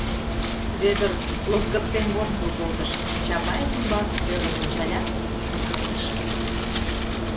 Вӧдыр лоткыктен воштыл колтыш, Чапаев ӱмбак ӧрын ончалят, шоналтыш: